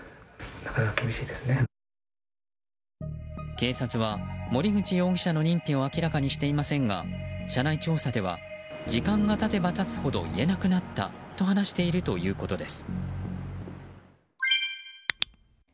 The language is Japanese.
警察は森口容疑者の認否を明らかにしていませんが社内調査では時間が経てば経つほど言えなくなったと話しているということです。